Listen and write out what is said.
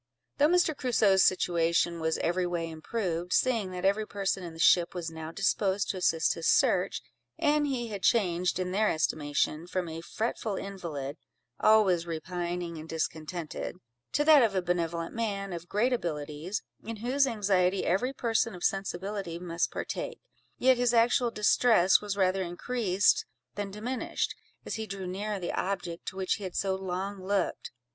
Though Mr. Crusoe's situation was every way improved, seeing that every person in the ship was now disposed to assist his search, and he had changed, in their estimation, from a fretful invalid (always repining and discontented), to that of a benevolent man, of great abilities, in whose anxiety every person of sensibility must partake, yet his actual distress was rather increased than diminished, as he drew nearer the object to which he had so long looked.